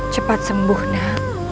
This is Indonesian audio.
cepat sembuh nak